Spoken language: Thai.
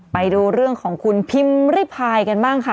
ไปดูเรื่องของคุณพิมพ์ริพายกันบ้างค่ะ